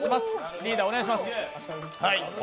リーダー、お願いします。